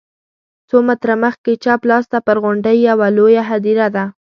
څو متره مخکې چپ لاس ته پر غونډۍ یوه لویه هدیره ده.